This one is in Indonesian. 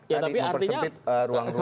ya tapi artinya